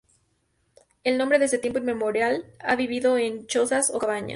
El hombre, desde tiempo inmemorial, ha vivido en chozas o cabañas.